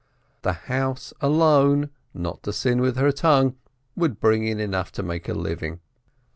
The house alone, not to sin with her tongue, would bring in enough to make a living.